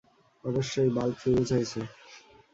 অবশ্যই, bulb fuse হয়েছে।